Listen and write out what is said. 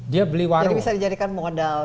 dia beli jadi bisa dijadikan modal